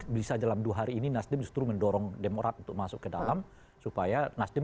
bisa dalam dua hari ini nasdem justru mendorong demokrat untuk masuk ke dalam supaya nasdem